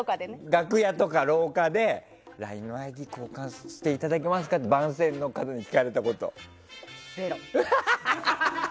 楽屋とか廊下でＬＩＮＥのＩＤ交換していただけませんかって聞かれたこと。